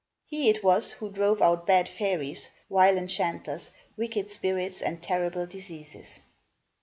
He it was who drove out bad fairies, vile enchanters, wicked spirits and terrible diseases.